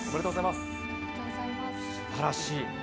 すばらしい。